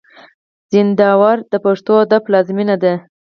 زينداور د پښتو ادب پلازمېنه ده.